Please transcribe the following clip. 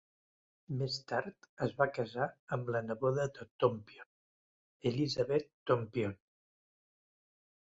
Més tard es va casar amb la neboda de Tompion, Elizabeth Tompion.